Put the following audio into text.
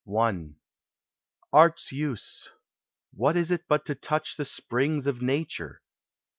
Art's use ; what is it but to touch the springs Of nature?